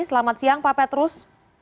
selamat siang pak petrus